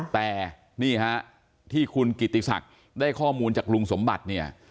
แต่นี่ฮะที่คุณกิติศักดิ์ได้ข้อมูลจากลุงสมบัติเนี่ย